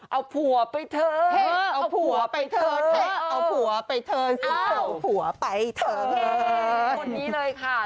เอาผัวไปเถอะ